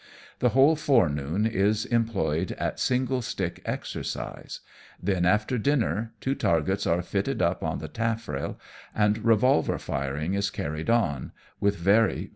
The whole forenoon is employed at single stick exercise ; then, after dinner, two targets are fitted up on the taffrail, and revolver firing is carried on, with very 14 AMONG TYPHOONS AND PIRATE CRAFT.